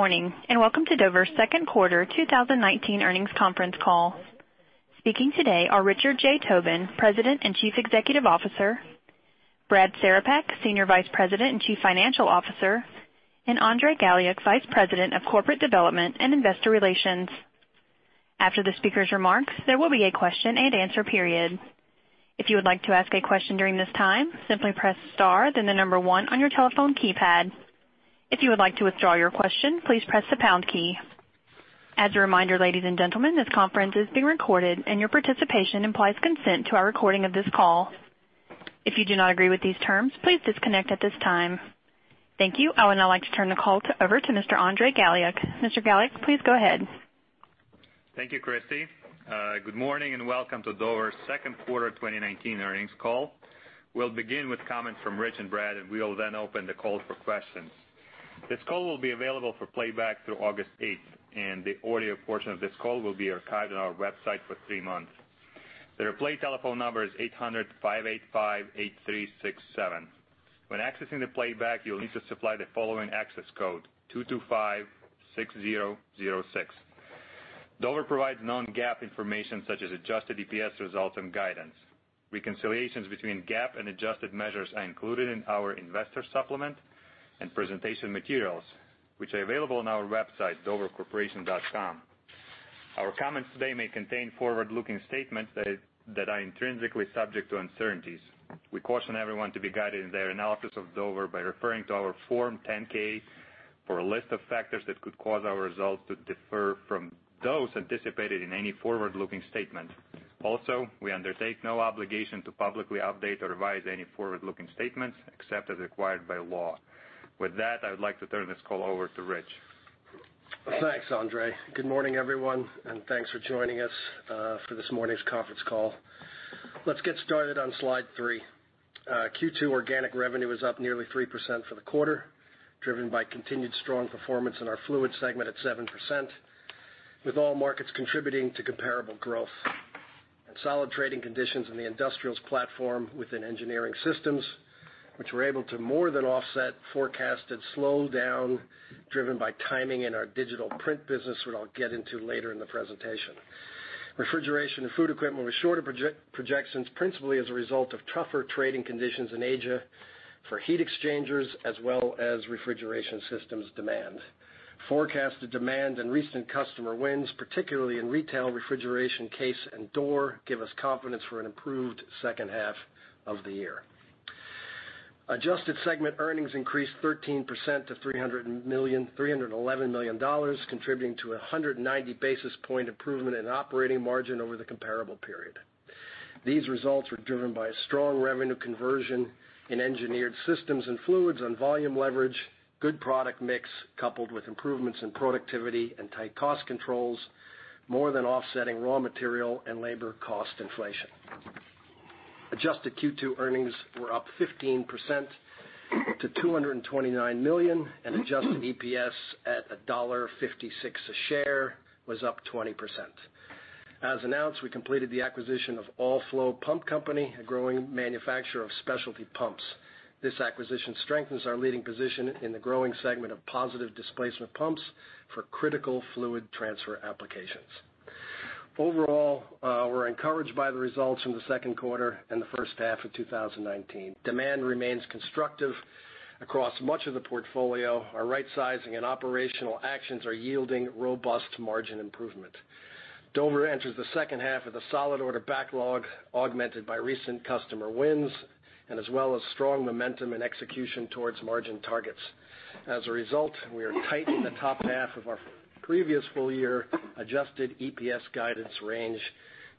Morning, welcome to Dover's second quarter 2019 earnings conference call. Speaking today are Richard J. Tobin, President and Chief Executive Officer, Brad Cerepak, Senior Vice President and Chief Financial Officer, and Andrey Galiuk, Vice President of Corporate Development and Investor Relations. After the speakers' remarks, there will be a question and answer period. If you would like to ask a question during this time, simply press star then the number one on your telephone keypad. If you would like to withdraw your question, please press the pound key. As a reminder, ladies and gentlemen, this conference is being recorded and your participation implies consent to our recording of this call. If you do not agree with these terms, please disconnect at this time. Thank you. I would now like to turn the call over to Mr. Andrey Galiuk. Mr. Galiuk, please go ahead. Thank you, Christy. Good morning, welcome to Dover's second quarter 2019 earnings call. We'll begin with comments from Rich and Brad. We will then open the call for questions. This call will be available for playback through August 8th, and the audio portion of this call will be archived on our website for three months. The replay telephone number is 800-585-8367. When accessing the playback, you'll need to supply the following access code, 2256006. Dover provides non-GAAP information such as adjusted EPS results and guidance. Reconciliations between GAAP and adjusted measures are included in our investor supplement and presentation materials, which are available on our website, dovercorporation.com. Our comments today may contain forward-looking statements that are intrinsically subject to uncertainties. We caution everyone to be guided in their analysis of Dover by referring to our Form 10-K for a list of factors that could cause our results to differ from those anticipated in any forward-looking statement. We undertake no obligation to publicly update or revise any forward-looking statements except as required by law. With that, I would like to turn this call over to Rich. Thanks, Andrey. Good morning, everyone, thanks for joining us for this morning's conference call. Let's get started on slide three. Q2 organic revenue was up nearly 3% for the quarter, driven by continued strong performance in our Fluids segment at 7%, with all markets contributing to comparable growth. Solid trading conditions in the industrials platform within Engineered Systems, which were able to more than offset forecasted slowdown driven by timing in our digital print business, what I'll get into later in the presentation. Refrigeration & Food Equipment was short of projections principally as a result of tougher trading conditions in Asia for heat exchangers as well as refrigeration systems demand. Forecasted demand and recent customer wins, particularly in retail refrigeration case and door, give us confidence for an improved second half of the year. Adjusted segment earnings increased 13% to $311 million, contributing to 190 basis point improvement in operating margin over the comparable period. These results were driven by a strong revenue conversion in Engineered Systems and Fluids on volume leverage, good product mix, coupled with improvements in productivity and tight cost controls, more than offsetting raw material and labor cost inflation. Adjusted Q2 earnings were up 15% to $229 million, and adjusted EPS at $1.56 a share was up 20%. As announced, we completed the acquisition of All-Flo pump company, a growing manufacturer of specialty pumps. This acquisition strengthens our leading position in the growing segment of positive displacement pumps for critical fluid transfer applications. Overall, we're encouraged by the results from the second quarter and the first half of 2019. Demand remains constructive across much of the portfolio. Our rightsizing and operational actions are yielding robust margin improvement. Dover enters the second half with a solid order backlog, augmented by recent customer wins and as well as strong momentum and execution towards margin targets. As a result, we are tightening the top half of our previous full year adjusted EPS guidance range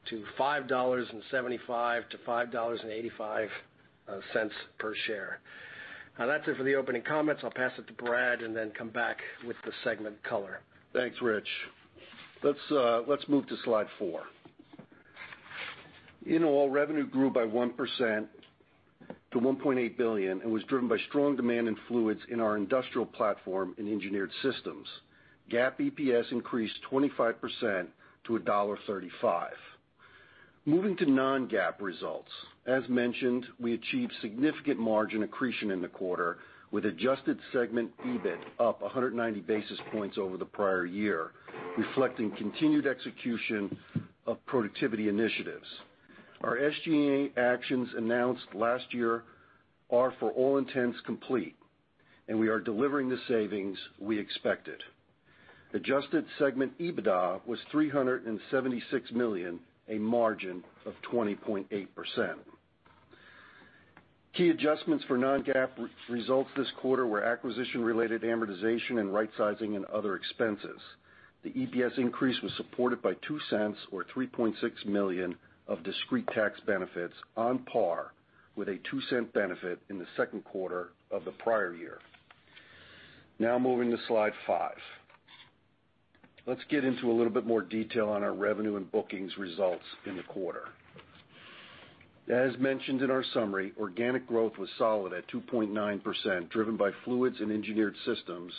to $5.75-$5.85 per share. That's it for the opening comments. I'll pass it to Brad and then come back with the segment color. Thanks, Rich. Let's move to slide four. In all, revenue grew by 1% to $1.8 billion and was driven by strong demand in Fluids in our industrial platform in Engineered Systems. GAAP EPS increased 25% to $1.35. Moving to non-GAAP results. As mentioned, we achieved significant margin accretion in the quarter with adjusted segment EBIT up 190 basis points over the prior year, reflecting continued execution of productivity initiatives. Our SG&A actions announced last year are, for all intents, complete, and we are delivering the savings we expected. Adjusted segment EBITDA was $376 million, a margin of 20.8%. Key adjustments for non-GAAP results this quarter were acquisition-related amortization and rightsizing and other expenses. The EPS increase was supported by $0.02 or $3.6 million of discrete tax benefits on par with a $0.02 benefit in the second quarter of the prior year. Moving to slide five. Let's get into a little bit more detail on our revenue and bookings results in the quarter. As mentioned in our summary, organic growth was solid at 2.9%, driven by Fluids and Engineered Systems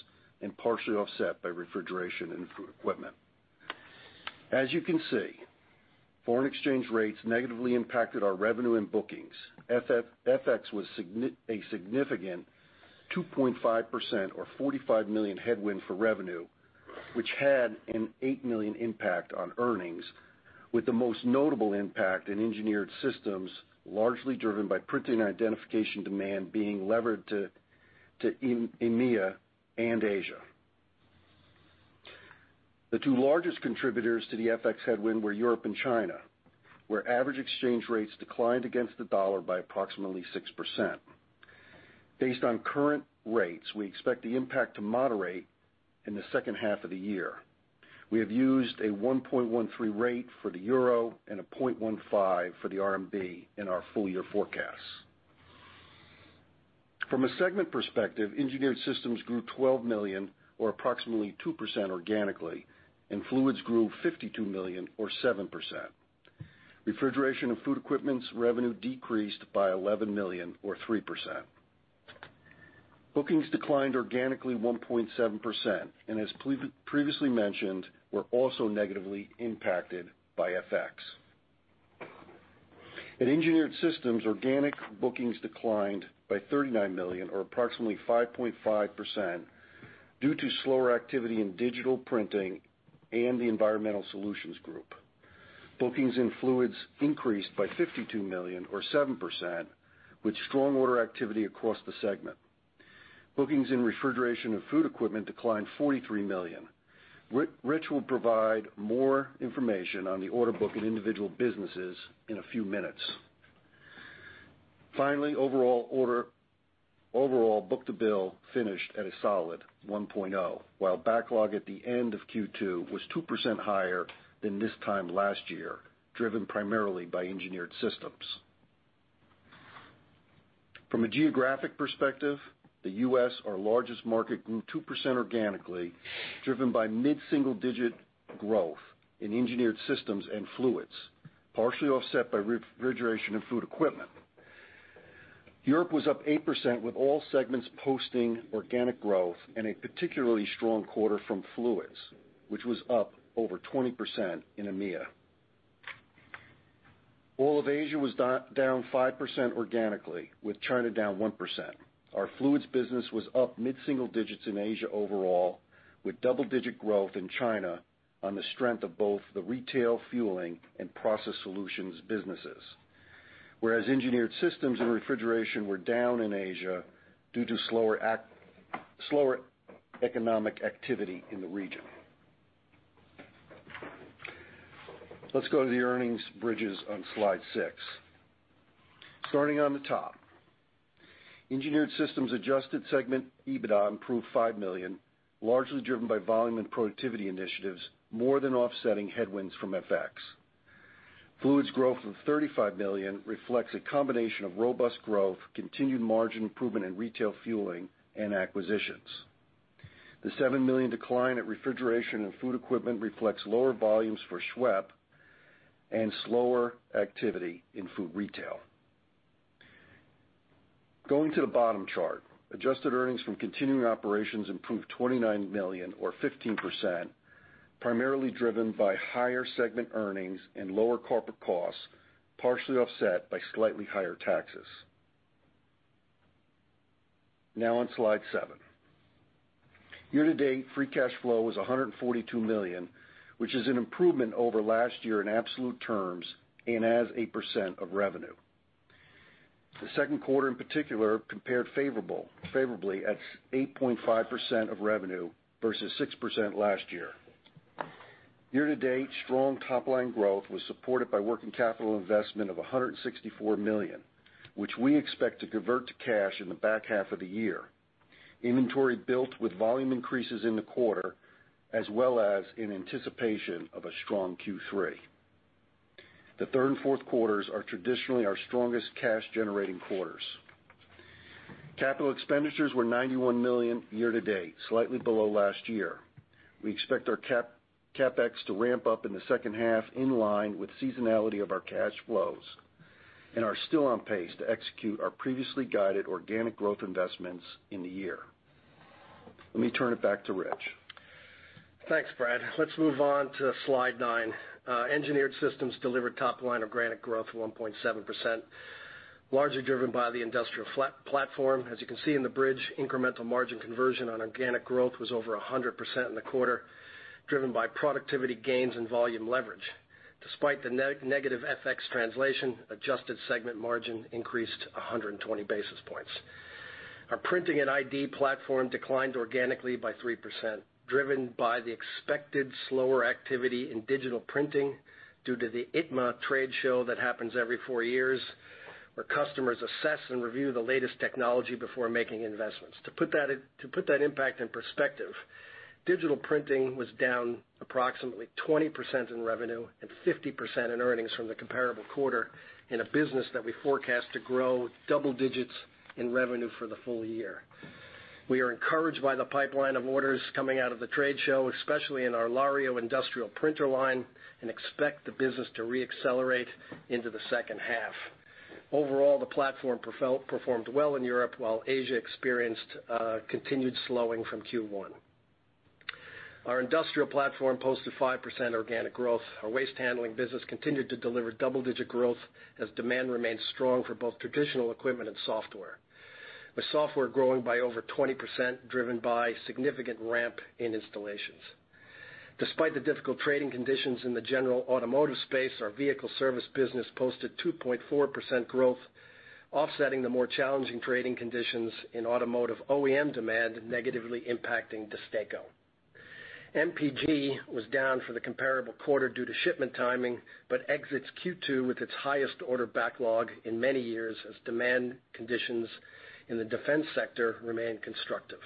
and partially offset by Refrigeration & Food Equipment. You can see, foreign exchange rates negatively impacted our revenue and bookings. FX was a significant 2.5% or $45 million headwind for revenue, which had an $8 million impact on earnings, with the most notable impact in Engineered Systems, largely driven by printing identification demand being levered to EMEA and Asia. The two largest contributors to the FX headwind were Europe and China, where average exchange rates declined against the dollar by approximately 6%. Based on current rates, we expect the impact to moderate in the second half of the year. We have used a 1.13 rate for the euro and a 0.15 for the RMB in our full-year forecasts. From a segment perspective, Engineered Systems grew $12 million, or approximately 2% organically, and Fluids grew $52 million or 7%. Refrigeration & Food Equipment's revenue decreased by $11 million or 3%. Bookings declined organically 1.7%, and as previously mentioned, were also negatively impacted by FX. In Engineered Systems, organic bookings declined by $39 million or approximately 5.5% due to slower activity in digital printing and the Environmental Solutions Group. Bookings in Fluids increased by $52 million or 7%, with strong order activity across the segment. Bookings in Refrigeration & Food Equipment declined $43 million. Rich will provide more information on the order book in individual businesses in a few minutes. Overall book-to-bill finished at a solid 1.0x, while backlog at the end of Q2 was 2% higher than this time last year, driven primarily by Engineered Systems. From a geographic perspective, the U.S., our largest market, grew 2% organically, driven by mid-single-digit growth in Engineered Systems and Fluids, partially offset by Refrigeration & Food Equipment. Europe was up 8% with all segments posting organic growth and a particularly strong quarter from Fluids, which was up over 20% in EMEA. All of Asia was down 5% organically, with China down 1%. Our Fluids business was up mid-single digits in Asia overall, with double-digit growth in China on the strength of both the retail fueling and process solutions businesses. Engineered Systems and Refrigeration were down in Asia due to slower economic activity in the region. Let's go to the earnings bridges on slide six. Starting on the top. Engineered Systems adjusted segment EBITDA improved $5 million, largely driven by volume and productivity initiatives, more than offsetting headwinds from FX. Fluids growth of $35 million reflects a combination of robust growth, continued margin improvement in retail fueling, and acquisitions. The $7 million decline at Refrigeration & Food Equipment reflects lower volumes for SWEP and slower activity in food retail. Going to the bottom chart, adjusted earnings from continuing operations improved $29 million or 15%, primarily driven by higher segment earnings and lower corporate costs, partially offset by slightly higher taxes. Now on slide seven. Year-to-date, free cash flow was $142 million, which is an improvement over last year in absolute terms and as a percent of revenue. The second quarter in particular compared favorably at 8.5% of revenue versus 6% last year. Year-to-date, strong top-line growth was supported by working capital investment of $164 million, which we expect to convert to cash in the back half of the year. Inventory built with volume increases in the quarter, as well as in anticipation of a strong Q3. The third and fourth quarters are traditionally our strongest cash-generating quarters. Capital expenditures were $91 million year-to-date, slightly below last year. We expect our CapEx to ramp up in the second half in line with seasonality of our cash flows and are still on pace to execute our previously guided organic growth investments in the year. Let me turn it back to Rich. Thanks, Brad. Let's move on to slide nine. Engineered Systems delivered top-line organic growth of 1.7%, largely driven by the industrial platform. As you can see in the bridge, incremental margin conversion on organic growth was over 100% in the quarter, driven by productivity gains and volume leverage. Despite the negative FX translation, adjusted segment margin increased 120 basis points. Our printing and ID platform declined organically by 3%, driven by the expected slower activity in digital printing due to the ITMA trade show that happens every four years, where customers assess and review the latest technology before making investments. To put that impact in perspective, digital printing was down approximately 20% in revenue and 50% in earnings from the comparable quarter in a business that we forecast to grow double digits in revenue for the full year. We are encouraged by the pipeline of orders coming out of the trade show, especially in our LaRio industrial printer line, and expect the business to re-accelerate into the second half. Overall, the platform performed well in Europe, while Asia experienced a continued slowing from Q1. Our industrial platform posted 5% organic growth. Our waste handling business continued to deliver double-digit growth as demand remained strong for both traditional equipment and software, with software growing by over 20%, driven by significant ramp in installations. Despite the difficult trading conditions in the general automotive space, our vehicle service business posted 2.4% growth, offsetting the more challenging trading conditions in automotive OEM demand, negatively impacting DESTACO. MPG was down for the comparable quarter due to shipment timing, but exits Q2 with its highest order backlog in many years as demand conditions in the defense sector remain constructive.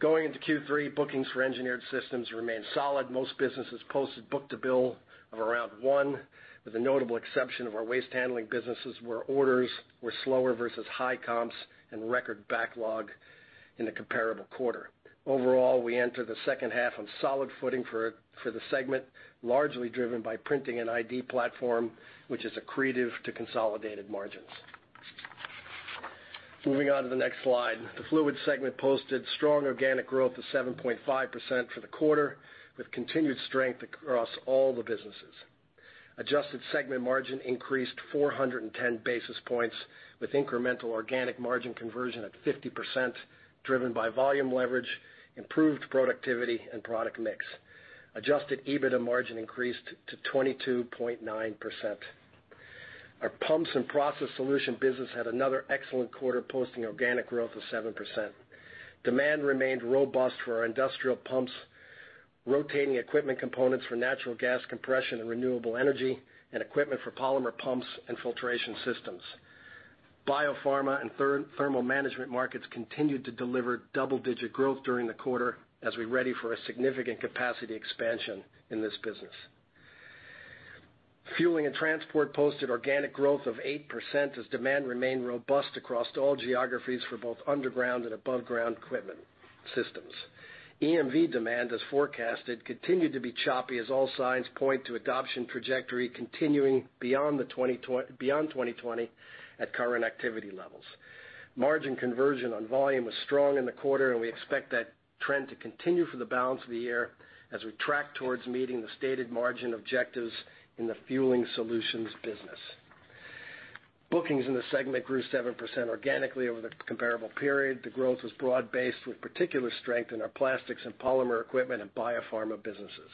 Going into Q3, bookings for Engineered Systems remained solid. Most businesses posted book-to-bill of around 1x, with the notable exception of our waste handling businesses, where orders were slower versus high comps and record backlog in the comparable quarter. Overall, we enter the second half on solid footing for the segment, largely driven by printing an ID platform, which is accretive to consolidated margins. Moving on to the next slide. The Fluids segment posted strong organic growth of 7.5% for the quarter, with continued strength across all the businesses. Adjusted segment margin increased 410 basis points with incremental organic margin conversion at 50%, driven by volume leverage, improved productivity, and product mix. Adjusted EBITDA margin increased to 22.9%. Our Pumps & Process Solutions business had another excellent quarter, posting organic growth of 7%. Demand remained robust for our industrial pumps, rotating equipment components for natural gas compression and renewable energy, and equipment for polymer pumps and filtration systems. Biopharma and thermal management markets continued to deliver double-digit growth during the quarter as we ready for a significant capacity expansion in this business. Fueling and transport posted organic growth of 8% as demand remained robust across all geographies for both underground and aboveground equipment systems. EMV demand, as forecasted, continued to be choppy as all signs point to adoption trajectory continuing beyond 2020 at current activity levels. Margin conversion on volume was strong in the quarter, and we expect that trend to continue for the balance of the year as we track towards meeting the stated margin objectives in the Fueling Solutions business. Bookings in the segment grew 7% organically over the comparable period. The growth was broad-based, with particular strength in our Plastics and Polymer Equipment and Biopharma businesses.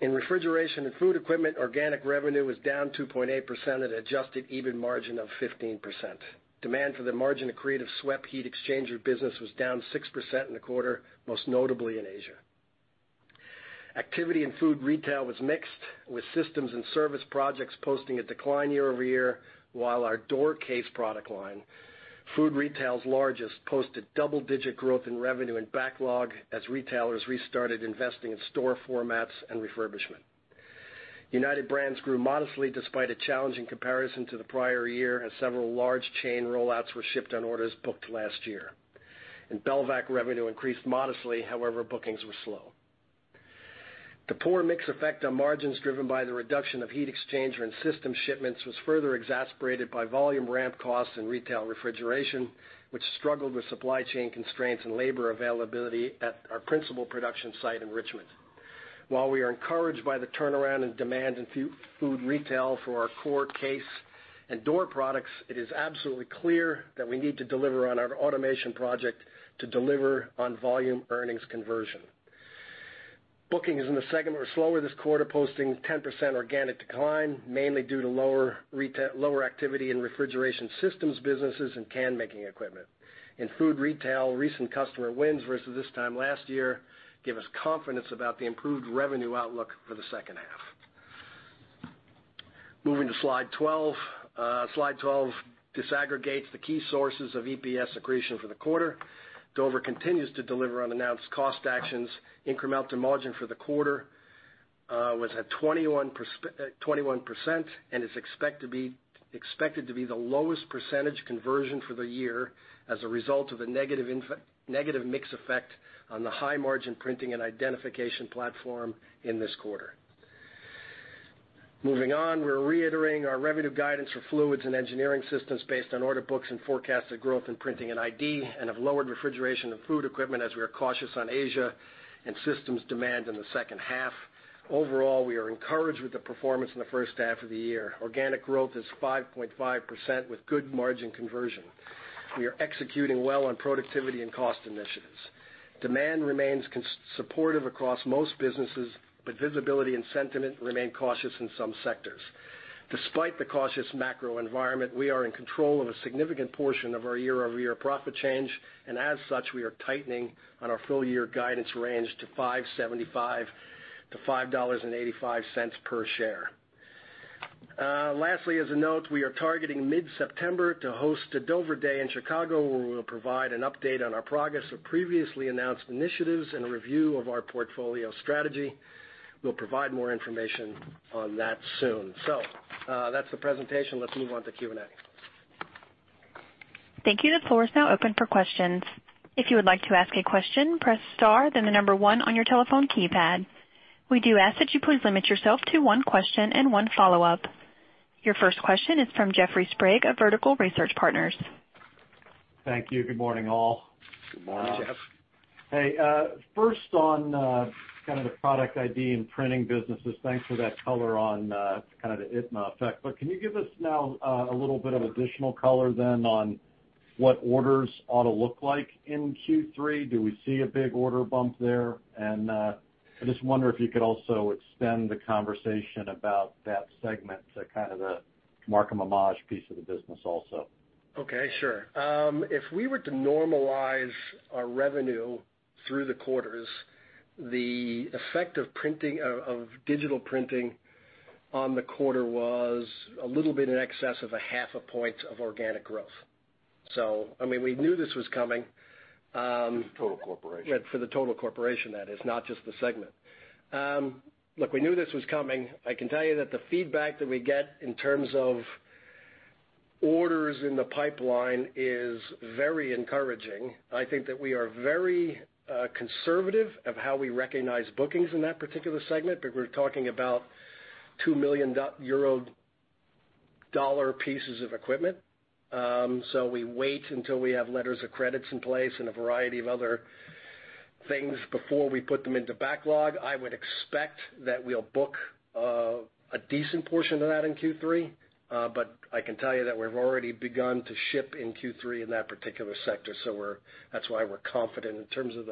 In Refrigeration & Food Equipment, organic revenue was down 2.8% at an adjusted EBIT margin of 15%. Demand for the margin accretive SWEP heat exchanger business was down 6% in the quarter, most notably in Asia. Activity in food retail was mixed, with systems and service projects posting a decline year-over-year, while our door case product line, food retail's largest, posted double-digit growth in revenue and backlog as retailers restarted investing in store formats and refurbishment. Unified Brands grew modestly despite a challenging comparison to the prior year, as several large chain rollouts were shipped on orders booked last year. Belvac revenue increased modestly. However, bookings were slow. The poor mix effect on margins driven by the reduction of heat exchanger and system shipments was further exacerbated by volume ramp costs in retail refrigeration, which struggled with supply chain constraints and labor availability at our principal production site in Richmond. While we are encouraged by the turnaround in demand in food retail for our core case and door products, it is absolutely clear that we need to deliver on our automation project to deliver on volume earnings conversion. Bookings in the segment were slower this quarter, posting 10% organic decline, mainly due to lower activity in refrigeration systems businesses and can-making equipment. In food retail, recent customer wins versus this time last year give us confidence about the improved revenue outlook for the second half. Moving to slide 12. Slide 12 disaggregates the key sources of EPS accretion for the quarter. Dover continues to deliver on announced cost actions. Incremental margin for the quarter was at 21%, and is expected to be the lowest percentage conversion for the year as a result of a negative mix effect on the high-margin printing and identification platform in this quarter. Moving on, we are reiterating our revenue guidance for Fluids and Engineered Systems based on order books and forecasted growth in printing and ID and have lowered Refrigeration & Food Equipment as we are cautious on Asia and systems demand in the second half. Overall, we are encouraged with the performance in the first half of the year. Organic growth is 5.5% with good margin conversion. We are executing well on productivity and cost initiatives. Demand remains supportive across most businesses, but visibility and sentiment remain cautious in some sectors. Despite the cautious macro environment, we are in control of a significant portion of our year-over-year profit change, and as such, we are tightening on our full-year guidance range to $5.75-$5.85 per share. Lastly, as a note, we are targeting mid-September to host a Dover Day in Chicago, where we will provide an update on our progress of previously announced initiatives and a review of our portfolio strategy. We will provide more information on that soon. That is the presentation. Let us move on to Q&A. Thank you. The floor is now open for questions. If you would like to ask a question, press star, then the number one on your telephone keypad. We do ask that you please limit yourself to one question and one follow-up. Your first question is from Jeffrey Sprague of Vertical Research Partners. Thank you. Good morning, all. Good morning, Jeff. Morning Hey. First on kind of the product ID and printing businesses, thanks for that color on kind of the ITMA effect. Can you give us now a little bit of additional color then on what orders ought to look like in Q3? Do we see a big order bump there? I just wonder if you could also extend the conversation about that segment to kind of the Markem-Imaje piece of the business also. Okay, sure. If we were to normalize our revenue through the quarters, the effect of digital printing on the quarter was a little bit in excess of a half a point of organic growth. We knew this was coming. For the total corporation. Yeah, for the total corporation that is, not just the segment. Look, we knew this was coming. I can tell you that the feedback that we get in terms of orders in the pipeline is very encouraging. I think that we are very conservative of how we recognize bookings in that particular segment, but we're talking about $2 million pieces of equipment. We wait until we have letters of credit in place and a variety of other things before we put them into backlog. I would expect that we'll book a decent portion of that in Q3. I can tell you that we've already begun to ship in Q3 in that particular sector, that's why we're confident in terms of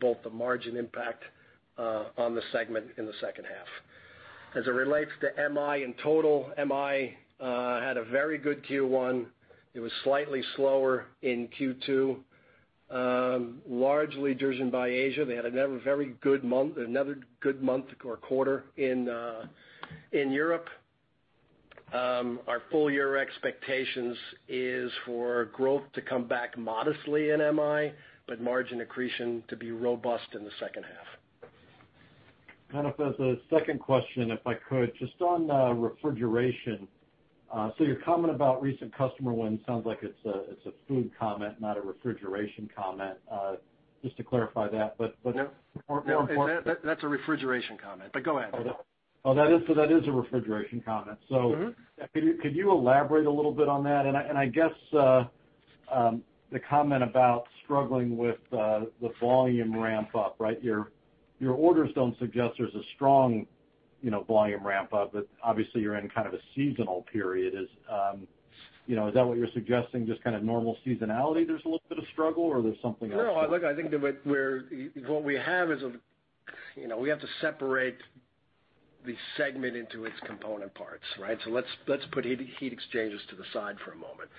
book to margin impact on the segment in the second half. As it relates to MI in total, MI had a very good Q1. It was slightly slower in Q2, largely driven by Asia. They had another very good month or quarter in Europe. Our full-year expectation is for growth to come back modestly in MI, margin accretion to be robust in the second half. Kind of as a second question, if I could, just on refrigeration. Your comment about recent customer wins sounds like it's a food comment, not a refrigeration comment. Just to clarify that. No. More importantly. That's a refrigeration comment. Go ahead. Oh, that is a refrigeration comment. Mhh Could you elaborate a little bit on that? I guess, the comment about struggling with the volume ramp up, right? Your orders don't suggest there's a strong volume ramp up, but obviously you're in kind of a seasonal period. Is that what you're suggesting, just kind of normal seasonality there's a little bit of struggle, or there's something else at work? No. Look, I think what we have is, we have to separate the segment into its component parts, right? Let's put heat exchangers to the side for a moment.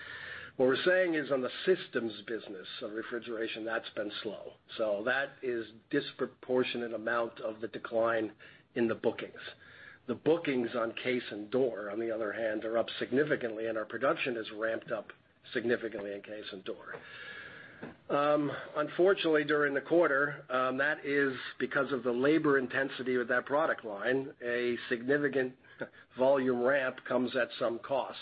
What we're saying is on the systems business of refrigeration, that's been slow. That is a disproportionate amount of the decline in the bookings. The bookings on case and door, on the other hand, are up significantly, and our production has ramped up significantly in case and door. Unfortunately, during the quarter, that is because of the labor intensity with that product line, a significant volume ramp comes at some cost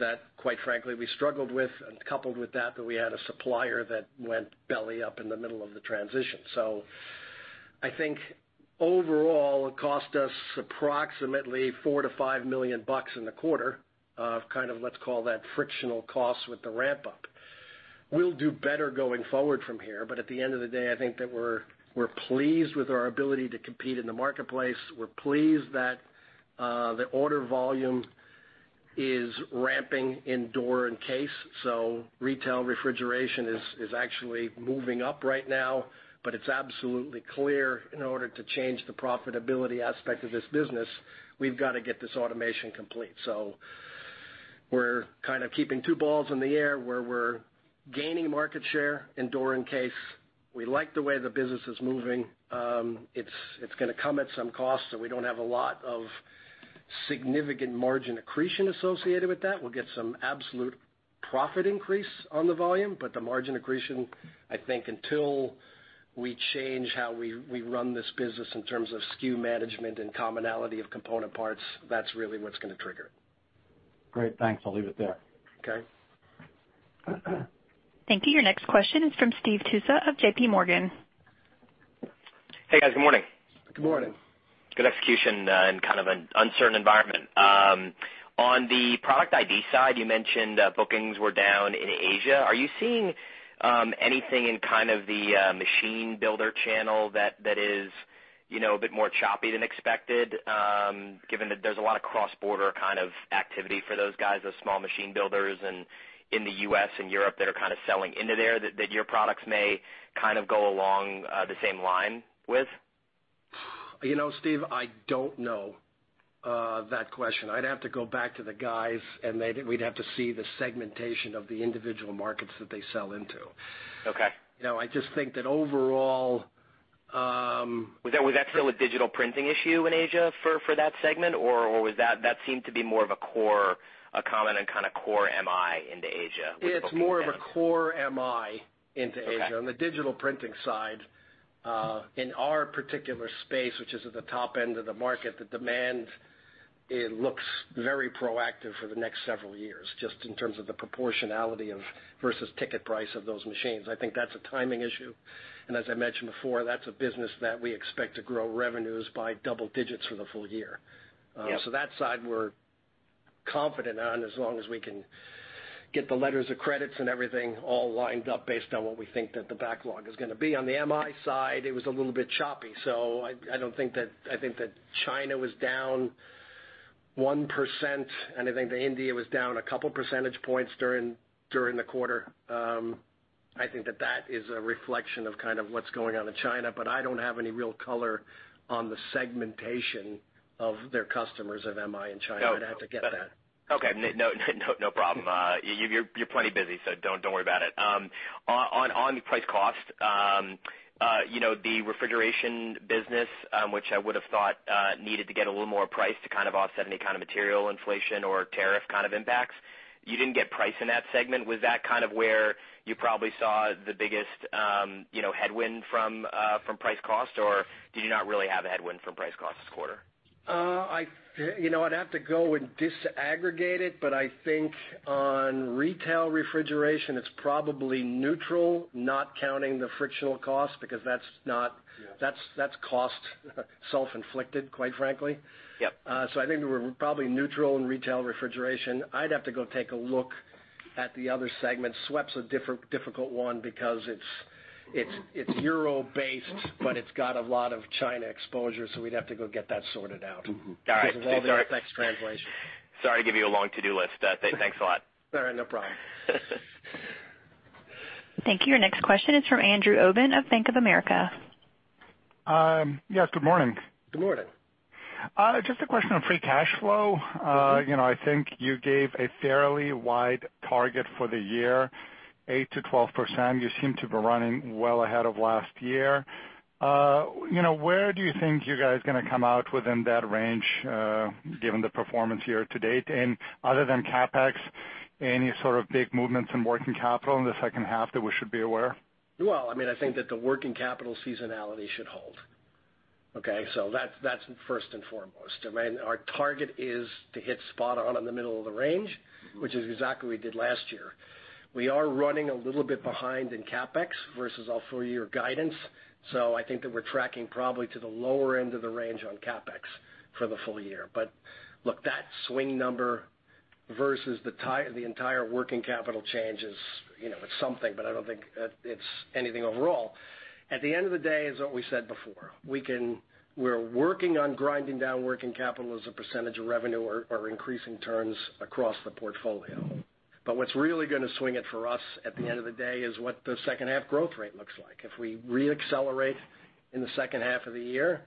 that quite frankly we struggled with, and coupled with that we had a supplier that went belly up in the middle of the transition. I think overall, it cost us approximately $4 million-$5 million in the quarter of kind of, let's call that frictional costs with the ramp up. We'll do better going forward from here, at the end of the day, I think that we're pleased with our ability to compete in the marketplace. We're pleased that the order volume is ramping in door and case. Retail refrigeration is actually moving up right now, it's absolutely clear in order to change the profitability aspect of this business, we've got to get this automation complete. We're kind of keeping two balls in the air, where we're gaining market share in door and case. We like the way the business is moving. It's going to come at some cost, we don't have a lot of significant margin accretion associated with that. We'll get some absolute profit increase on the volume, the margin accretion, I think until we change how we run this business in terms of SKU management and commonality of component parts, that's really what's going to trigger it. Great. Thanks. I'll leave it there. Okay. Thank you. Your next question is from Steve Tusa of JPMorgan. Hey, guys. Good morning. Good morning. Good execution in kind of an uncertain environment. On the Product ID side, you mentioned bookings were down in Asia. Are you seeing anything in kind of the machine builder channel that is a bit more choppy than expected, given that there's a lot of cross-border kind of activity for those guys, those small machine builders, and in the U.S. and Europe that are kind of selling into there, that your products may kind of go along the same line with? Steve, I don't know that question. I'd have to go back to the guys, and we'd have to see the segmentation of the individual markets that they sell into. Okay. I just think that overall- Was that still a digital printing issue in Asia for that segment, or that seemed to be more of a common and kind of core MI into Asia with bookings down? It's more of a core MI into Asia. Okay. On the digital printing side, in our particular space, which is at the top end of the market, the demand looks very proactive for the next several years, just in terms of the proportionality versus ticket price of those machines. I think that's a timing issue, and as I mentioned before, that's a business that we expect to grow revenues by double digits for the full year. Yeah. That side we're confident on as long as we can get the letters of credit and everything all lined up based on what we think that the backlog is going to be. On the MI side, it was a little bit choppy, I think that China was down 1%, and I think that India was down a couple percentage points during the quarter. I think that is a reflection of what's going on in China, but I don't have any real color on the segmentation of their customers of MI in China. Okay. I'd have to get that. Okay. No problem. You're plenty busy, so don't worry about it. On price cost, the Refrigeration business, which I would've thought needed to get a little more price to offset any kind of material inflation or tariff kind of impacts. You didn't get price in that segment. Was that kind of where you probably saw the biggest headwind from price cost, or did you not really have a headwind from price cost this quarter? I'd have to go and disaggregate it. I think on retail refrigeration, it's probably neutral, not counting the frictional cost because that's cost self-inflicted, quite frankly. Yep. I think we're probably neutral in retail refrigeration. I'd have to go take a look at the other segments. SWEP's a difficult one because it's euro-based. It's got a lot of China exposure, we'd have to go get that sorted out. All right. Because of all the FX translation. Sorry to give you a long to-do list. Thanks a lot. All right, no problem. Thank you. Your next question is from Andrew Obin of Bank of America. Yes, good morning. Good morning. Just a question on free cash flow. I think you gave a fairly wide target for the year, 8%-12%. You seem to be running well ahead of last year. Where do you think you guys are going to come out within that range, given the performance year-to-date? Other than CapEx, any sort of big movements in working capital in the second half that we should be aware? I think that the working capital seasonality should hold. Okay? That's first and foremost. Our target is to hit spot on in the middle of the range, which is exactly what we did last year. We are running a little bit behind in CapEx versus our full-year guidance. I think that we're tracking probably to the lower end of the range on CapEx for the full-year. Look, that swing number versus the entire working capital change is something, but I don't think it's anything overall. At the end of the day, it's what we said before. We're working on grinding down working capital as a percentage of revenue or increasing turns across the portfolio. What's really going to swing it for us at the end of the day is what the second half growth rate looks like. If we re-accelerate in the second half of the year,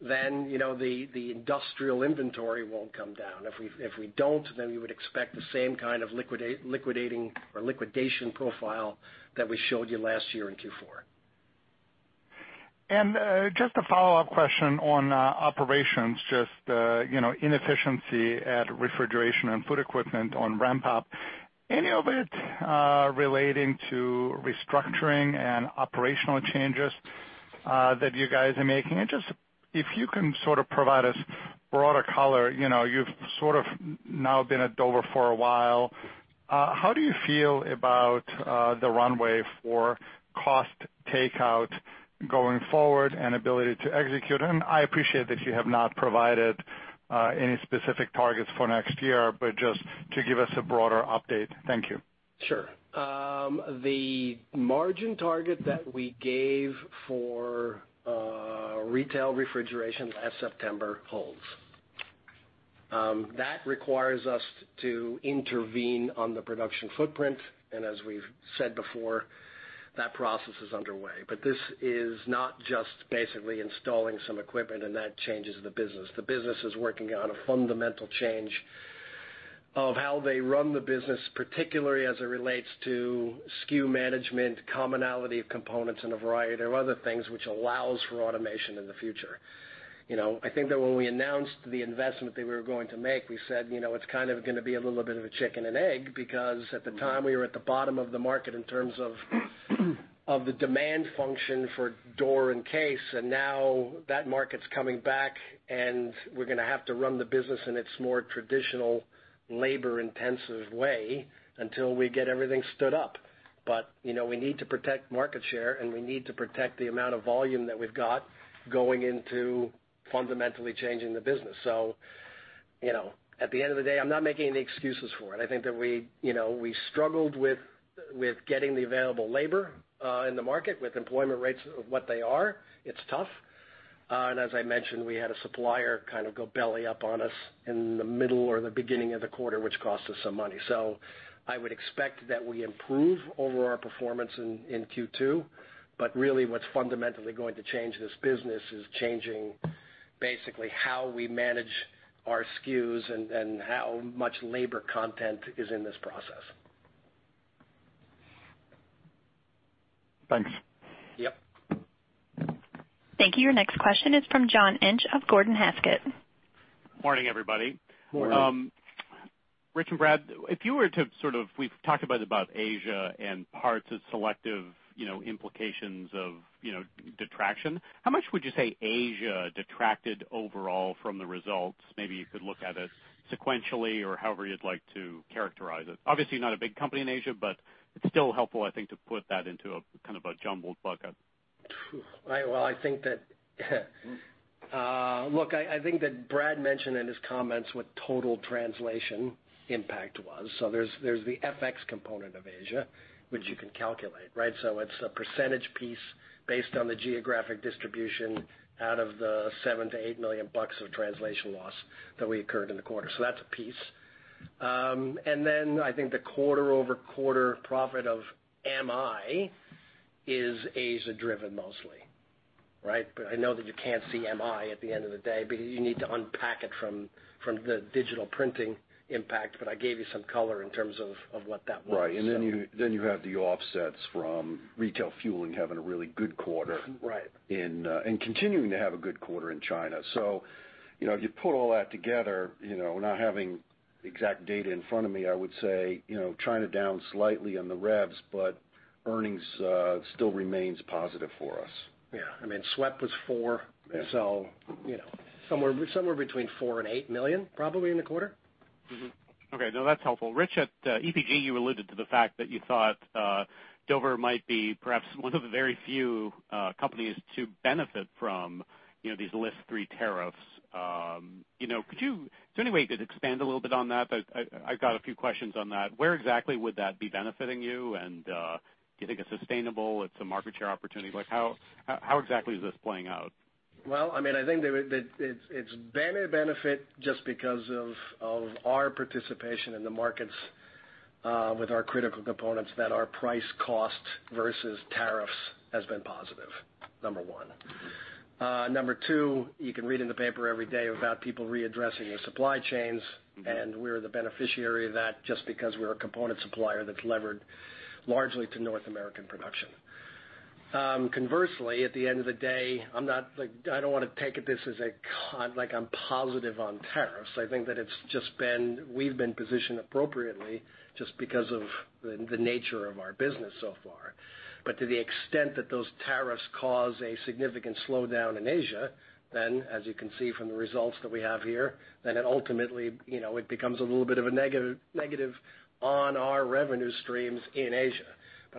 the industrial inventory won't come down. If we don't, we would expect the same kind of liquidating or liquidation profile that we showed you last year in Q4. Just a follow-up question on operations, just inefficiency at Refrigeration & Food Equipment on ramp-up. Any of it relating to restructuring and operational changes that you guys are making? Just if you can sort of provide us broader color. You've sort of now been at Dover for a while. How do you feel about the runway for cost takeout going forward and ability to execute? I appreciate that you have not provided any specific targets for next year, but just to give us a broader update. Thank you. Sure. The margin target that we gave for retail refrigeration last September holds. That requires us to intervene on the production footprint, and as we've said before, that process is underway. This is not just basically installing some equipment, and that changes the business. The business is working on a fundamental change of how they run the business, particularly as it relates to SKU management, commonality of components, and a variety of other things, which allows for automation in the future. I think that when we announced the investment that we were going to make, we said it's kind of going to be a little bit of a chicken and egg, because at the time, we were at the bottom of the market in terms of the demand function for door and case, and now that market's coming back, and we're going to have to run the business in its more traditional labor-intensive way until we get everything stood up. We need to protect market share, and we need to protect the amount of volume that we've got going into fundamentally changing the business. At the end of the day, I'm not making any excuses for it. I think that we struggled with getting the available labor in the market with employment rates what they are. It's tough. As I mentioned, we had a supplier kind of go belly up on us in the middle or the beginning of the quarter, which cost us some money. I would expect that we improve over our performance in Q2. Really what's fundamentally going to change this business is changing basically how we manage our SKUs and how much labor content is in this process. Thanks. Yep. Thank you. Your next question is from John Inch of Gordon Haskett. Morning, everybody. Morning. Rich and Brad, we've talked about Asia and parts of selective implications of detraction. How much would you say Asia detracted overall from the results? Maybe you could look at it sequentially or however you'd like to characterize it. Obviously, not a big company in Asia, but it's still helpful, I think, to put that into a kind of a jumbled bucket. Look, I think that Brad mentioned in his comments what total translation impact was. There's the FX component of Asia, which you can calculate, right? It's a percentage piece based on the geographic distribution out of the $7 million-$8 million of translation loss that we incurred in the quarter. That's a piece. I think the quarter-over-quarter profit of MI is Asia driven mostly, right? I know that you can't see MI at the end of the day because you need to unpack it from the digital printing impact, but I gave you some color in terms of what that was. Right. You have the offsets from retail fueling having a really good quarter. Right. Continuing to have a good quarter in China. If you put all that together, not having exact data in front of me, I would say, China down slightly on the revs, but earnings still remains positive for us. Yeah. I mean, SWEP was $4 million. Yeah. Somewhere between $4 and $8 million probably in the quarter. Okay. No, that's helpful. Rich, at EPG, you alluded to the fact that you thought Dover might be perhaps one of the very few companies to benefit from these list three tariffs. Is there any way you could expand a little bit on that? I've got a few questions on that. Where exactly would that be benefiting you, and do you think it's sustainable? It's a market share opportunity. How exactly is this playing out? Well, I think it's been a benefit just because of our participation in the markets with our critical components that our price cost versus tariffs has been positive, number one. Number two, you can read in the paper every day about people readdressing their supply chains, and we're the beneficiary of that just because we're a component supplier that's levered largely to North American production. Conversely, at the end of the day, I don't want to take this as like I'm positive on tariffs. I think that we've been positioned appropriately just because of the nature of our business so far. To the extent that those tariffs cause a significant slowdown in Asia, then as you can see from the results that we have here, then it ultimately becomes a little bit of a negative on our revenue streams in Asia.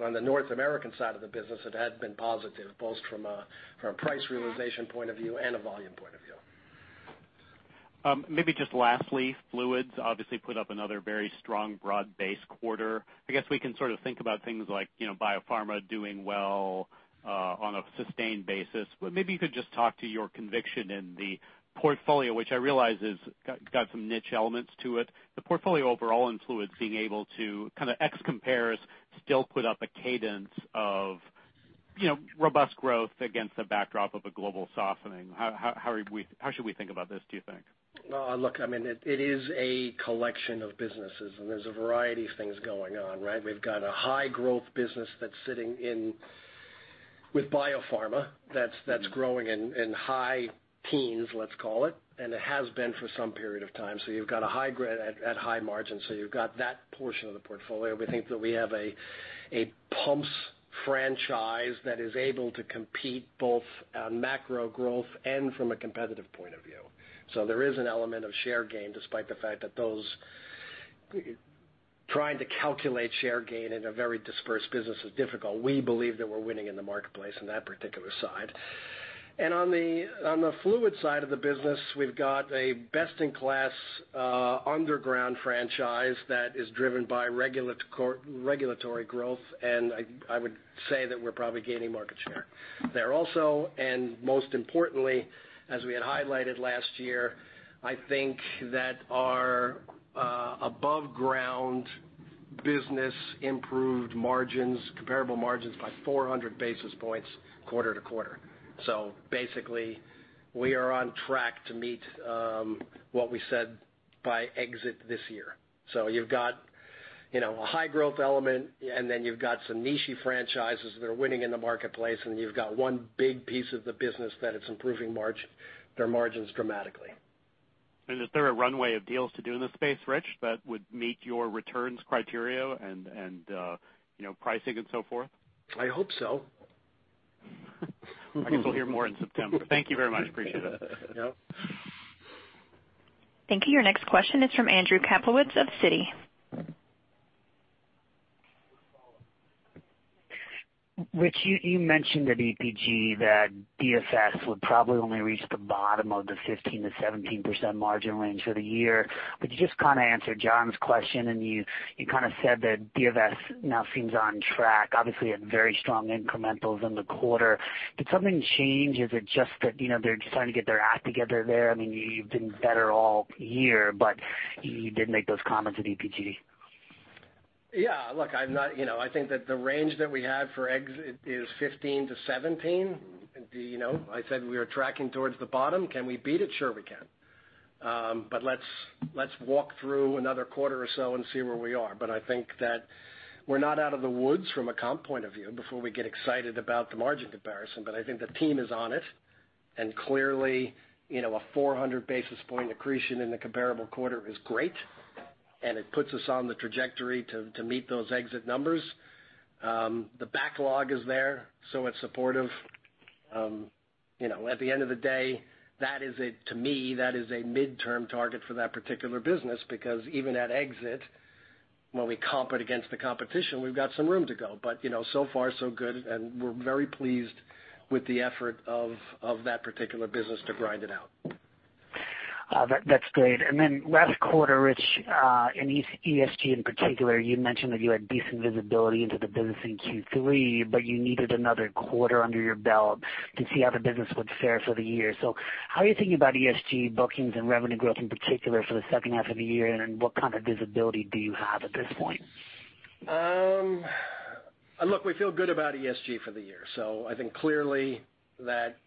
On the North American side of the business, it had been positive, both from a price realization point of view and a volume point of view. Maybe just lastly, Fluids obviously put up another very strong broad-based quarter. I guess we can sort of think about things like biopharma doing well on a sustained basis. Maybe you could just talk to your conviction in the portfolio, which I realize has got some niche elements to it. The portfolio overall in Fluids being able to kind of ex compares still put up a cadence of robust growth against the backdrop of a global softening. How should we think about this, do you think? Look, it is a collection of businesses, and there's a variety of things going on, right? We've got a high growth business that's sitting in with biopharma that's growing in high teens, let's call it, and it has been for some period of time. You've got a high growth at high margin. You've got that portion of the portfolio. We think that we have a pumps franchise that is able to compete both on macro growth and from a competitive point of view. There is an element of share gain, despite the fact that those trying to calculate share gain in a very dispersed business is difficult. We believe that we're winning in the marketplace on that particular side. On the Fluids side of the business, we've got a best-in-class underground franchise that is driven by regulatory growth, and I would say that we're probably gaining market share. There also, and most importantly, as we had highlighted last year, I think that our above ground business improved comparable margins by 400 basis points quarter-to-quarter. Basically, we are on track to meet what we said by exit this year. You've got a high growth element, and then you've got some niche franchises that are winning in the marketplace, and you've got one big piece of the business that's improving their margins dramatically. Is there a runway of deals to do in this space, Rich, that would meet your returns criteria and pricing and so forth? I hope so. I guess we'll hear more in September. Thank you very much. Appreciate it. Yep. Thank you. Your next question is from Andrew Kaplowitz of Citi. Rich, you mentioned at EPG that DFS would probably only reach the bottom of the 15%-17% margin range for the year. You just kind of answered John's question, and you kind of said that DFS now seems on track. Obviously, had very strong incrementals in the quarter. Did something change? Is it just that they're just trying to get their act together there? You've been better all year, but you did make those comments at EPG. Yeah. Look, I think that the range that we had for exit is 15%-17%. I said we were tracking towards the bottom. Can we beat it? Sure we can. Let's walk through another quarter or so and see where we are. I think that we're not out of the woods from a comp point of view before we get excited about the margin comparison. I think the team is on it, and clearly, a 400 basis point accretion in the comparable quarter is great, and it puts us on the trajectory to meet those exit numbers. The backlog is there, so it's supportive. At the end of the day, to me, that is a midterm target for that particular business because even at exit. When we comp it against the competition, we've got some room to go. So far so good, and we're very pleased with the effort of that particular business to grind it out. That's great. Then last quarter, Rich, in ESG in particular, you mentioned that you had decent visibility into the business in Q3, but you needed another quarter under your belt to see how the business would fare for the year. How are you thinking about ESG bookings and revenue growth in particular for the second half of the year? What kind of visibility do you have at this point? We feel good about ESG for the year. I think clearly that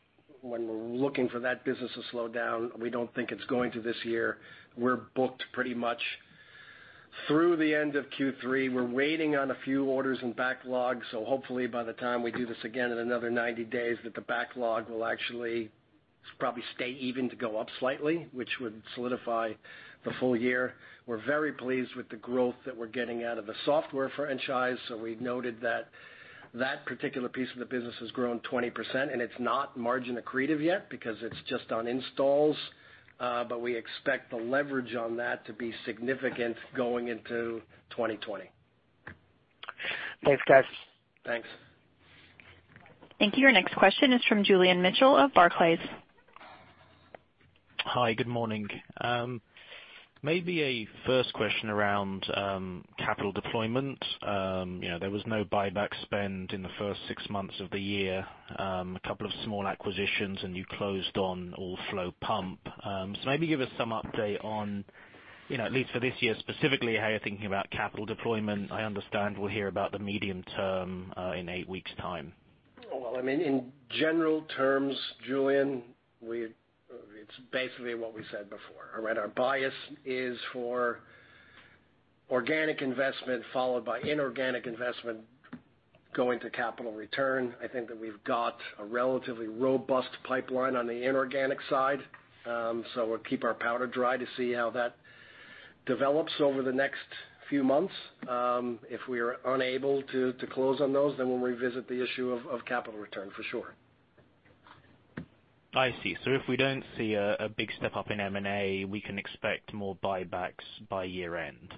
when we're looking for that business to slow down, we don't think it's going to this year. We're booked pretty much through the end of Q3. We're waiting on a few orders in backlog. Hopefully by the time we do this again in another 90 days, that the backlog will actually probably stay even to go up slightly, which would solidify the full year. We're very pleased with the growth that we're getting out of the software franchise. We've noted that that particular piece of the business has grown 20% and it's not margin accretive yet because it's just on installs. We expect the leverage on that to be significant going into 2020. Thanks, guys. Thanks. Thank you. Your next question is from Julian Mitchell of Barclays. Hi, good morning. Maybe a first question around capital deployment. There was no buyback spend in the first six months of the year. A couple of small acquisitions, and you closed on All-Flo Pump. Maybe give us some update on, at least for this year specifically, how you're thinking about capital deployment. I understand we'll hear about the medium term in eight weeks' time. Well, in general terms, Julian, it's basically what we said before. All right? Our bias is for organic investment followed by inorganic investment going to capital return. I think that we've got a relatively robust pipeline on the inorganic side. We'll keep our powder dry to see how that develops over the next few months. If we are unable to close on those, we'll revisit the issue of capital return for sure. I see. If we don't see a big step up in M&A, we can expect more buybacks by year-end?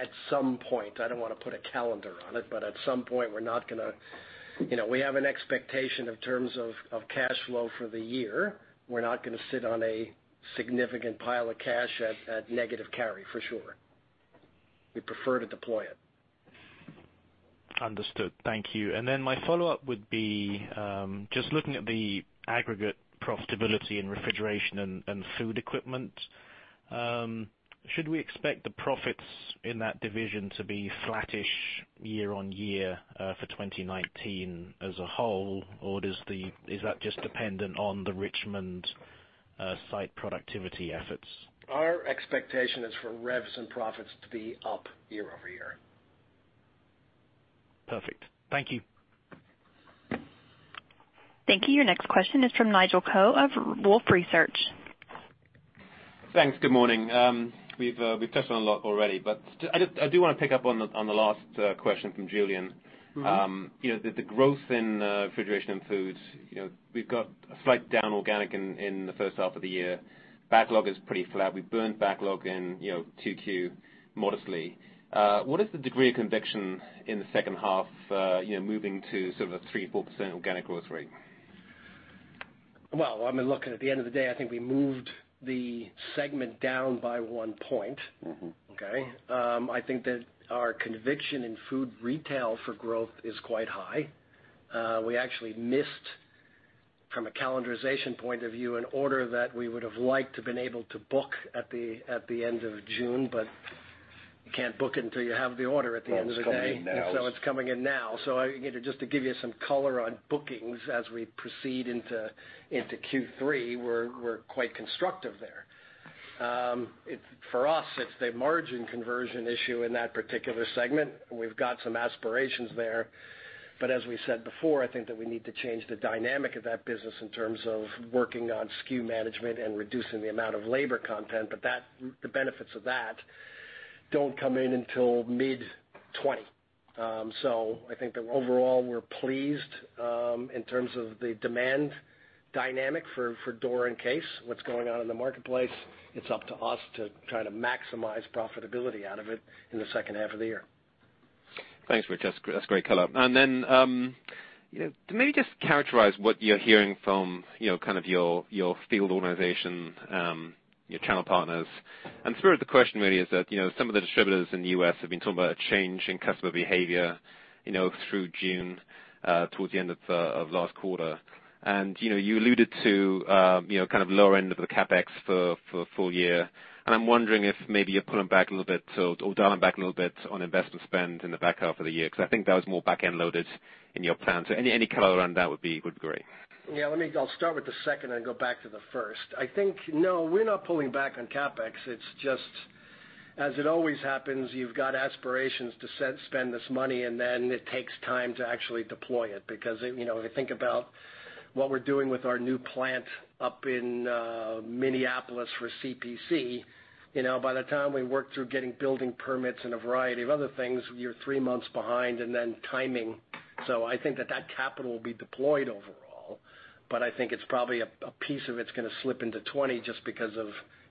At some point. I don't want to put a calendar on it, at some point we're not going to. We have an expectation in terms of cash flow for the year. We're not going to sit on a significant pile of cash at negative carry, for sure. We prefer to deploy it. Understood. Thank you. Then my follow-up would be, just looking at the aggregate profitability in Refrigeration & Food Equipment. Should we expect the profits in that division to be flattish year-on-year for 2019 as a whole, or is that just dependent on the Richmond site productivity efforts? Our expectation is for revenues and profits to be up year-over-year. Perfect. Thank you. Thank you. Your next question is from Nigel Coe of Wolfe Research. Thanks. Good morning. We've touched on a lot already, but I do want to pick up on the last question from Julian. The growth in Refrigeration & Food Equipment, we've got a slight down organic in the first half of the year. Backlog is pretty flat. We've burned backlog in 2Q modestly. What is the degree of conviction in the second half, moving to sort of a 3%, 4% organic growth rate? Look, at the end of the day, I think we moved the segment down by one point. Okay. I think that our conviction in food retail for growth is quite high. We actually missed, from a calendarization point of view, an order that we would have liked to been able to book at the end of June, you can't book it until you have the order at the end of the day. It's coming in now. It's coming in now. Just to give you some color on bookings as we proceed into Q3, we're quite constructive there. For us, it's the margin conversion issue in that particular segment. We've got some aspirations there. As we said before, I think that we need to change the dynamic of that business in terms of working on SKU management and reducing the amount of labor content. The benefits of that don't come in until mid 2020. I think that overall, we're pleased in terms of the demand dynamic for door and case, what's going on in the marketplace. It's up to us to try to maximize profitability out of it in the second half of the year. Thanks, Rich. That's great color. Then, maybe just characterize what you're hearing from kind of your field organization, your channel partners. The spirit of the question really is that some of the distributors in the U.S. have been talking about a change in customer behavior through June, towards the end of last quarter. You alluded to kind of lower end of the CapEx for full year, and I'm wondering if maybe you're pulling back a little bit or dialing back a little bit on investment spend in the back half of the year, because I think that was more back-end loaded in your plan. Any color around that would be great. Yeah, I'll start with the second and go back to the first. I think, no, we're not pulling back on CapEx. It's just as it always happens, you've got aspirations to spend this money, and then it takes time to actually deploy it because if you think about what we're doing with our new plant up in Minneapolis for CPC, by the time we work through getting building permits and a variety of other things, you're three months behind and then timing. I think that that capital will be deployed overall, but I think a piece of it's going to slip into 2020 just because of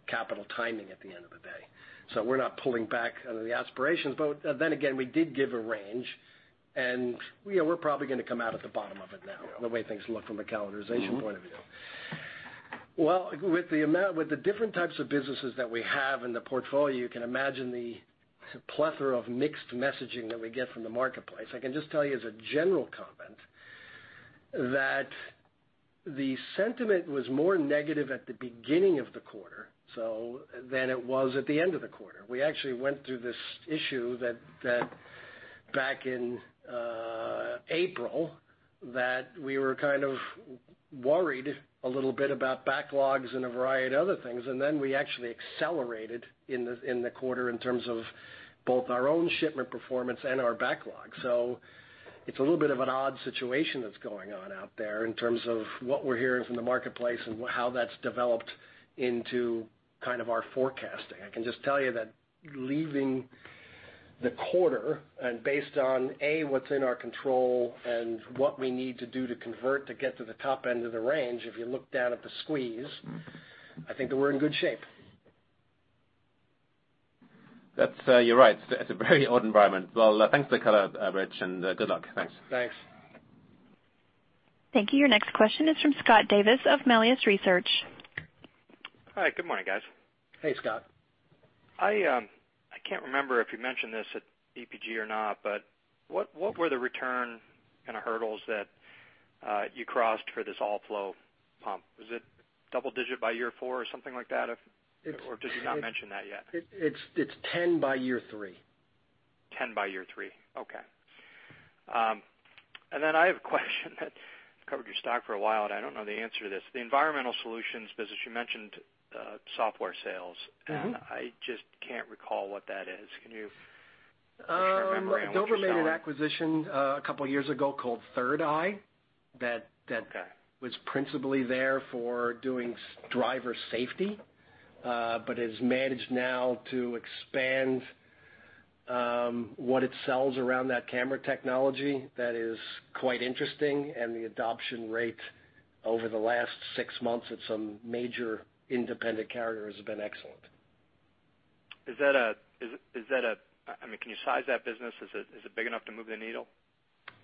capital timing at the end of the day. We're not pulling back on the aspirations. Again, we did give a range, and we're probably going to come out at the bottom of it now, the way things look from a calendarization point of view. Well, with the different types of businesses that we have in the portfolio, you can imagine the plethora of mixed messaging that we get from the marketplace. I can just tell you as a general comment that the sentiment was more negative at the beginning of the quarter, than it was at the end of the quarter. We actually went through this issue back in April, that we were kind of worried a little bit about backlogs and a variety other things, and then we actually accelerated in the quarter in terms of both our own shipment performance and our backlog. It's a little bit of an odd situation that's going on out there in terms of what we're hearing from the marketplace and how that's developed into kind of our forecasting. I can just tell you that leaving the quarter and based on, A, what's in our control and what we need to do to convert to get to the top end of the range, if you look down at the squeeze, I think that we're in good shape. You're right. It's a very odd environment. Thanks for the color, Rich, and good luck. Thanks. Thanks. Thank you. Your next question is from Scott Davis of Melius Research. Hi. Good morning, guys. Hey, Scott. I can't remember if you mentioned this at EPG or not, what were the return kind of hurdles that you crossed for this All-Flo pump? Is it double-digit by year four or something like that? Did you not mention that yet? It's 10% by year three. 10% by year three. Okay. Then I have a question that, I've covered your stock for a while, and I don't know the answer to this. The Environmental Solutions business, you mentioned software sales. I just can't recall what that is. Can you refresh my memory on what you're selling? Dover made an acquisition a couple of years ago called 3rd Eye. Okay was principally there for doing driver safety. Has managed now to expand what it sells around that camera technology that is quite interesting, and the adoption rate over the last six months at some major independent carrier has been excellent. Can you size that business? Is it big enough to move the needle?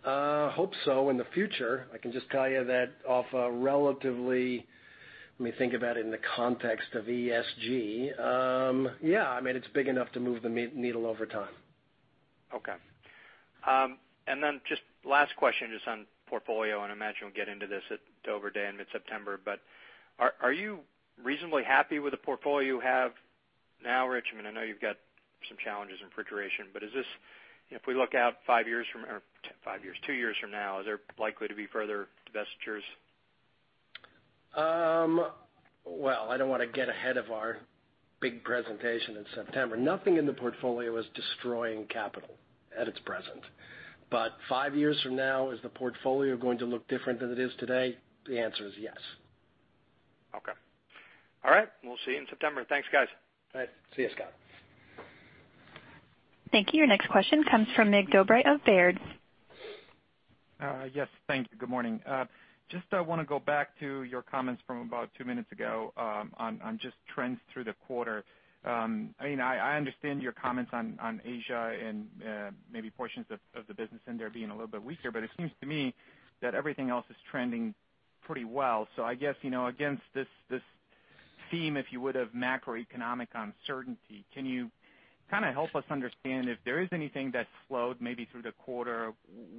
Hope so in the future. I can just tell you that off a relatively, when you think about it in the context of ESG, yeah, it's big enough to move the needle over time. Okay. Just last question just on portfolio, and I imagine we'll get into this at Dover Day in mid-September, but are you reasonably happy with the portfolio you have now, Rich? I mean, I know you've got some challenges in Refrigeration, but if we look out two years from now, is there likely to be further divestitures? Well, I don't want to get ahead of our big presentation in September. Nothing in the portfolio is destroying capital at its present. Five years from now, is the portfolio going to look different than it is today? The answer is yes. Okay. All right. We'll see you in September. Thanks, guys. All right. See ya, Scott. Thank you. Your next question comes from Mig Dobre of Baird. Yes. Thank you. Good morning. Just want to go back to your comments from about two minutes ago, on just trends through the quarter. I understand your comments on Asia and maybe portions of the business in there being a little bit weaker. It seems to me that everything else is trending pretty well. I guess, against this theme, if you would, of macroeconomic uncertainty, can you kind of help us understand if there is anything that slowed maybe through the quarter,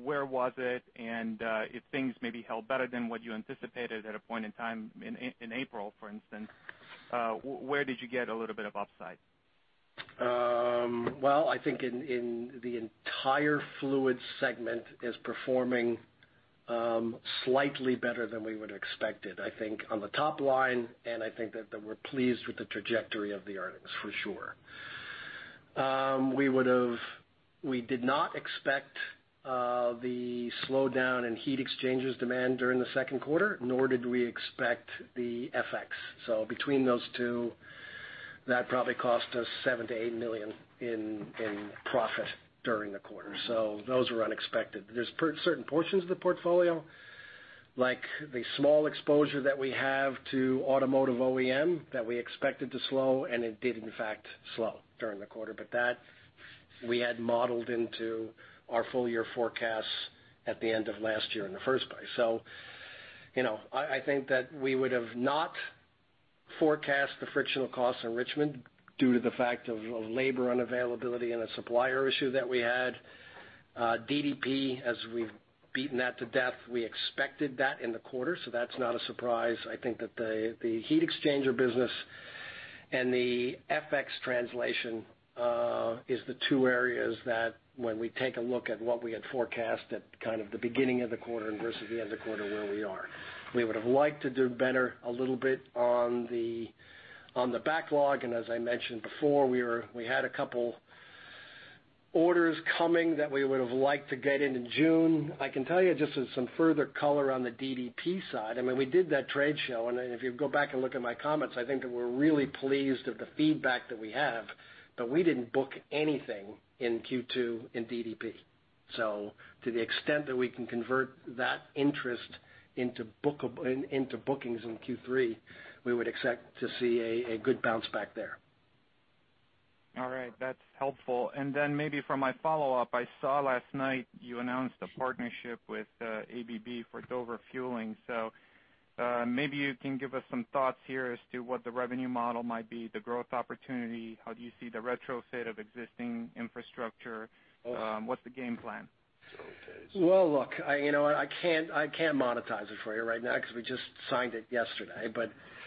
where was it? And if things maybe held better than what you anticipated at a point in time in April, for instance, where did you get a little bit of upside? Well, I think the entire Fluids segment is performing slightly better than we would've expected, I think, on the top line, and I think that we're pleased with the trajectory of the earnings, for sure. We did not expect the slowdown in heat exchangers demand during the second quarter, nor did we expect the FX. Between those two, that probably cost us $7 million-$8 million in profit during the quarter. Those were unexpected. There's certain portions of the portfolio, like the small exposure that we have to automotive OEM that we expected to slow, and it did in fact slow during the quarter. That we had modeled into our full year forecasts at the end of last year in the first place. I think that we would have not forecast the frictional costs in Richmond due to the fact of labor unavailability and a supplier issue that we had. DDP, as we've beaten that to death, we expected that in the quarter, that's not a surprise. I think that the heat exchanger business and the FX translation is the two areas that when we take a look at what we had forecast at kind of the beginning of the quarter versus the end of the quarter where we are. We would've liked to do better a little bit on the backlog, and as I mentioned before, we had a couple orders coming that we would've liked to get in in June. I can tell you just as some further color on the DDP side, we did that trade show, and if you go back and look at my comments, I think that we're really pleased with the feedback that we have, but we didn't book anything in Q2 in DDP. To the extent that we can convert that interest into bookings in Q3, we would expect to see a good bounce back there. All right, that's helpful. Then maybe for my follow-up, I saw last night you announced a partnership with ABB for Dover Fueling. Maybe you can give us some thoughts here as to what the revenue model might be, the growth opportunity, how do you see the retrofit of existing infrastructure? What's the game plan? Well, look, I can't monetize it for you right now because we just signed it yesterday.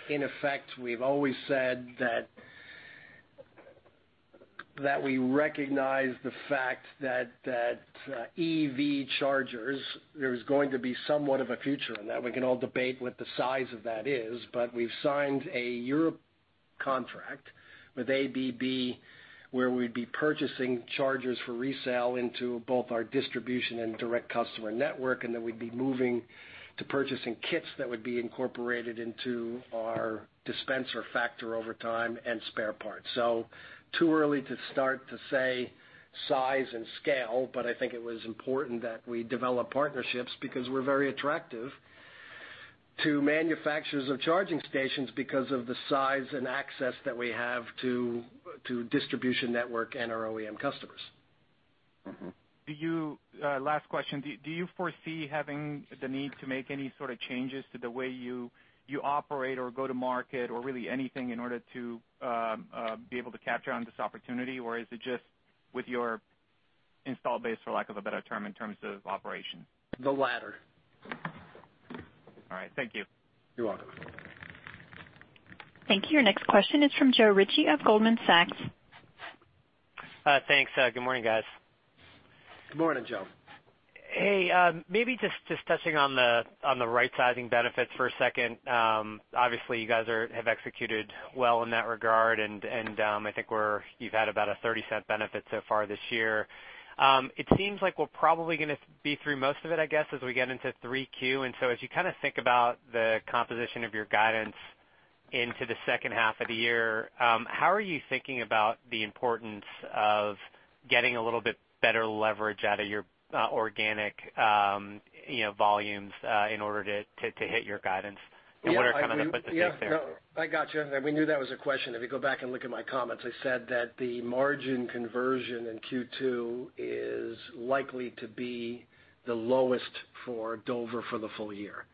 In effect, we've always said that we recognize the fact that EV chargers, there's going to be somewhat of a future in that. We can all debate what the size of that is, but we've signed a Europe contract with ABB, where we'd be purchasing chargers for resale into both our distribution and direct customer network, and then we'd be moving to purchasing kits that would be incorporated into our dispenser factor over time and spare parts. Too early to start to say size and scale, but I think it was important that we develop partnerships because we're very attractive to manufacturers of charging stations because of the size and access that we have to distribution network and our OEM customers. Last question. Do you foresee having the need to make any sort of changes to the way you operate or go to market or really anything in order to be able to capture on this opportunity? Or is it just with your install base, for lack of a better term, in terms of operation? The latter. All right. Thank you. You're welcome. Thank you. Your next question is from Joe Ritchie of Goldman Sachs. Thanks. Good morning, guys. Good morning, Joe. Hey, maybe just touching on the rightsizing benefits for a second. Obviously, you guys have executed well in that regard, and I think you've had about a $0.30 benefit so far this year. It seems like we're probably going to be through most of it, I guess, as we get into 3Q. As you kind of think about the composition of your guidance into the second half of the year, how are you thinking about the importance of getting a little bit better leverage out of your organic volumes in order to hit your guidance? What are kind of the moving parts there? I gotcha. We knew that was a question. If you go back and look at my comments, I said that the margin conversion in Q2 is likely to be the lowest for Dover for the full year.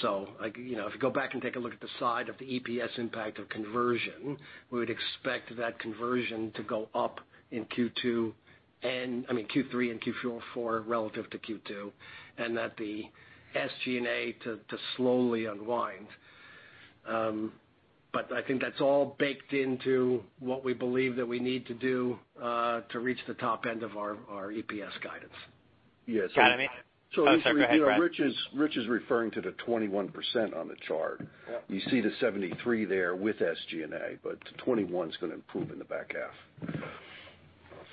If you go back and take a look at the side of the EPS impact of conversion, we would expect that conversion to go up in Q3 and Q4 relative to Q2, and that the SG&A to slowly unwind. I think that's all baked into what we believe that we need to do to reach the top end of our EPS guidance. Got it. Oh, sorry, go ahead, Brad. Rich is referring to the 21% on the chart. Yep. You see the 73% there with SG&A, 21% going to improve in the back half.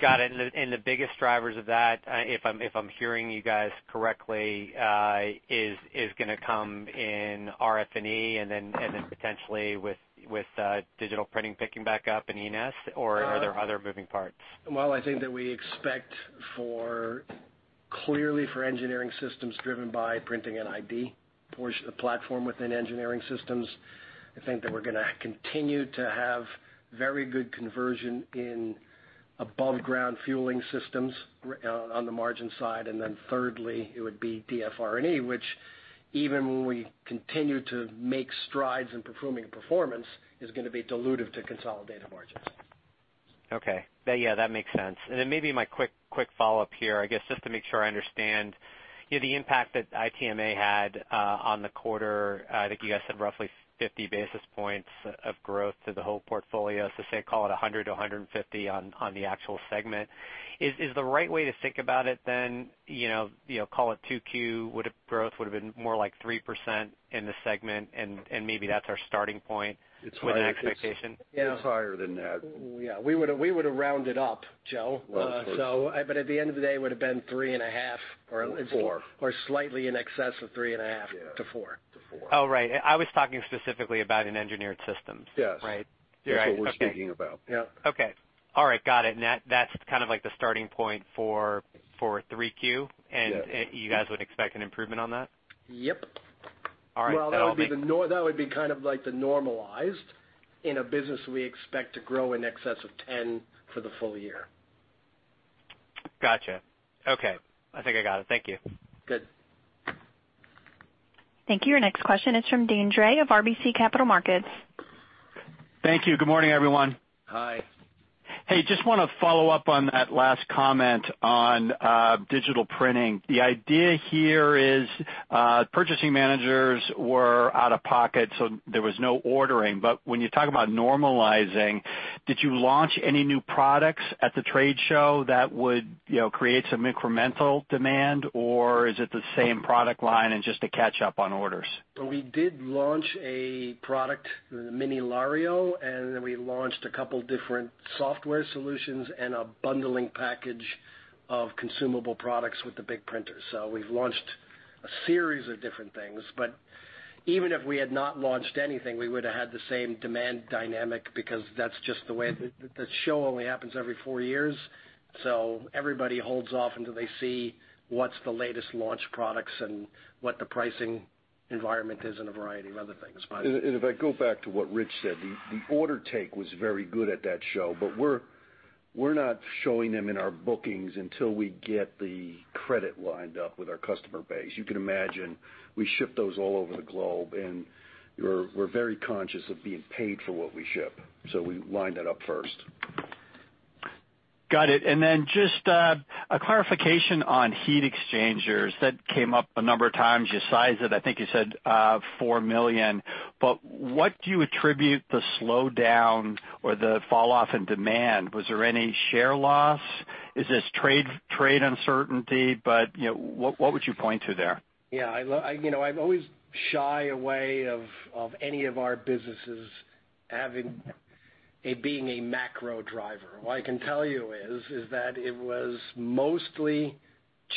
Got it. The biggest drivers of that, if I'm hearing you guys correctly, is going to come in RF&E, then potentially with digital printing picking back up in Engineered Systems, or are there other moving parts? Well, I think that we expect clearly for Engineered Systems driven by Printing and ID platform within Engineered Systems. I think that we're going to continue to have very good conversion in above ground fueling systems on the margin side. Thirdly, it would be RF&E, which even when we continue to make strides in improving performance, is going to be dilutive to consolidated margins. Okay. Yeah, that makes sense. Maybe my quick follow-up here, I guess, just to make sure I understand the impact that ITMA had on the quarter. I think you guys said roughly 50 basis points of growth to the whole portfolio. So say, call it 100 basis points-150 basis points on the actual segment. Is the right way to think about it then, call it 2Q growth would've been more like 3% in the segment, and maybe that's our starting point with an expectation? It's higher than that. We would have rounded up, Joe. At the end of the day, it would've been 3.5% Or- 4% Slightly in excess of 3.5%-4%. To 4%. Oh, right. I was talking specifically about in Engineered Systems. Yes. Right. Yeah. That's what we're speaking about. Yep. Okay. All right, got it. That's kind of like the starting point for 3Q. Yeah. You guys would expect an improvement on that? Yep. All right. That would be kind of like the normalized in a business we expect to grow in excess of 10% for the full year. Gotcha. Okay. I think I got it. Thank you. Good. Thank you. Your next question is from Deane Dray of RBC Capital Markets. Thank you. Good morning, everyone. Hi. Hey, just want to follow up on that last comment on digital printing. The idea here is purchasing managers were out of pocket, so there was no ordering. When you talk about normalizing, did you launch any new products at the trade show that would create some incremental demand, or is it the same product line and just a catch up on orders? We did launch a product, the Mini LaRio, and then we launched a couple different software solutions and a bundling package of consumable products with the big printers. We've launched a series of different things, but even if we had not launched anything, we would've had the same demand dynamic because that's just the way the show only happens every four years. Everybody holds off until they see what's the latest launch products and what the pricing environment is, and a variety of other things. If I go back to what Rich said, the order take was very good at that show, but we're not showing them in our bookings until we get the credit lined up with our customer base. You can imagine we ship those all over the globe, and we're very conscious of being paid for what we ship. We line that up first. Got it. Then just a clarification on heat exchangers. That came up a number of times. You sized it, I think you said $4 million, but what do you attribute the slowdown or the fall off in demand? Was there any share loss? Is this trade uncertainty? What would you point to there? Yeah, I always shy away of any of our businesses being a macro driver. What I can tell you is that it was mostly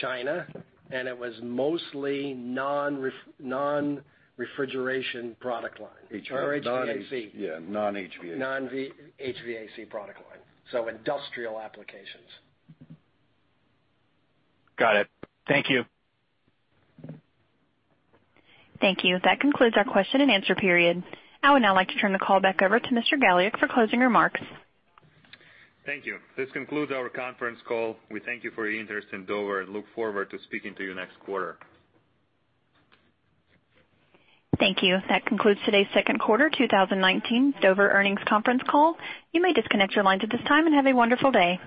China, and it was mostly non-refrigeration product line. Or HVAC. Yeah, non-HVAC. Non-HVAC product line. Industrial applications. Got it. Thank you. Thank you. That concludes our question and answer period. I would now like to turn the call back over to Mr. Galiuk for closing remarks. Thank you. This concludes our conference call. We thank you for your interest in Dover and look forward to speaking to you next quarter. Thank you. That concludes today's second quarter 2019 Dover Earnings Conference Call. You may disconnect your lines at this time, and have a wonderful day.